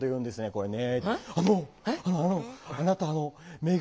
これね。